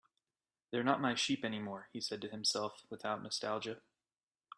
"They're not my sheep anymore," he said to himself, without nostalgia.